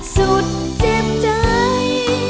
สุดเจ็บใจ